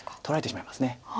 取られてしまいます。